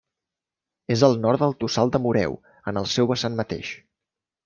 És al nord del Tossal de Moreu, en el seu vessant mateix.